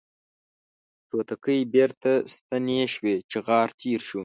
توتکۍ بیرته ستنې شوې چغار تیر شو